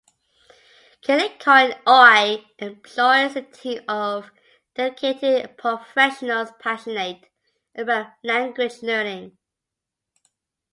Kielikone Oy employs a team of dedicated professionals passionate about language learning.